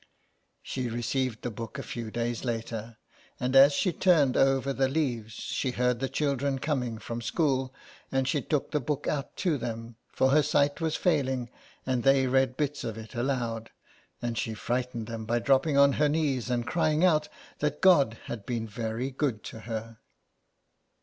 She received the book a few days after, and as she turned over tke leaves she heard the children coming home from school, and she took the book out to them, for her sight was failing, and they read bits of it aloud, and she frightened them by dropping on her knees and crying out that God had been very good to her.